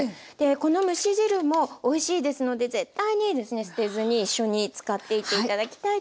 この蒸し汁もおいしいですので絶対にですね捨てずに一緒に使っていって頂きたいと思います。